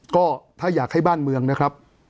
ก็ถ้าอยากให้บ้านเมืองนะครับ